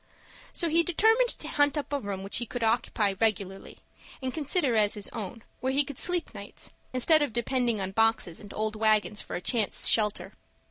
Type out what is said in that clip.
So he determined to hunt up a room which he could occupy regularly, and consider as his own, where he could sleep nights, instead of depending on boxes and old wagons for a chance shelter.